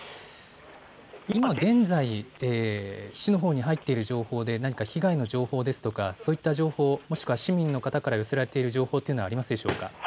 今現在、市のほうに入っている情報で何か被害の情報ですとか、そういった情報、市民の方から寄せられている情報はありますか？